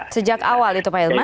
sejak awal itu pak hilman